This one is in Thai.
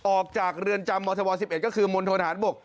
ออกจากเรือนจำมธว๑๑ก็คือมณฑนฐานบก